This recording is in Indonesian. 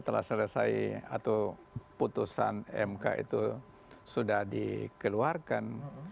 setelah selesai atau putusan mk itu sudah dikeluarkan